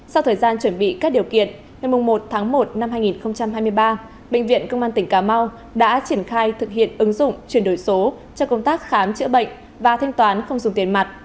sau thời gian chuẩn bị các điều kiện ngày một tháng một năm hai nghìn hai mươi ba bệnh viện công an tỉnh cà mau đã triển khai thực hiện ứng dụng chuyển đổi số cho công tác khám chữa bệnh và thanh toán không dùng tiền mặt